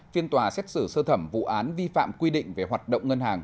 phiên tòa xét xử sơ thẩm vụ án vi phạm quy định về hoạt động ngân hàng